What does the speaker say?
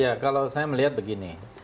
ya kalau saya melihat begini